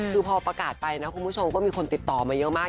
คือพอประกาศไปนะคุณผู้ชมก็มีคนติดต่อมาเยอะมาก